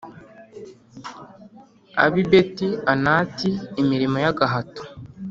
ab i Beti Anati imirimo y agahato